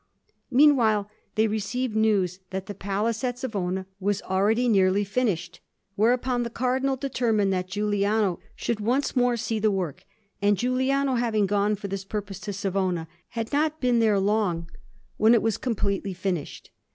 Meanwhile they received news that the palace at Savona was already nearly finished; whereupon the Cardinal determined that Giuliano should once more see the work, and Giuliano, having gone for this purpose to Savona, had not been there long when it was completely finished.